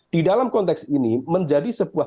di dalam konteks ini menjadi sebuah